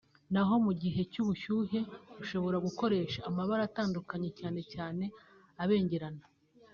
naho mu gihe cy’ubushyuhe ushobora gukoresha amabara atandukanye cyane cyane abengerana